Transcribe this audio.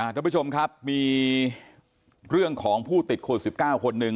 ท่านผู้ชมครับมีเรื่องของผู้ติดโควิด๑๙คนหนึ่ง